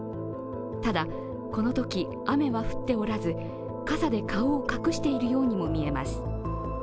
ただ、このとき雨は降っておらず傘で顔を隠しているようにも見えます。